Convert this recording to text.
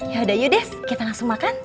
yaudah yuk kita langsung makan